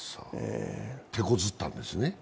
手こずったんですね？